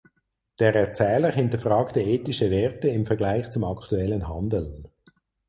Der Erzähler hinterfragte ethische Werte im Vergleich zum aktuellen Handeln.